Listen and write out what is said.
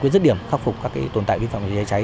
dứt điểm khắc phục các tồn tại vi phạm về cháy chữa cháy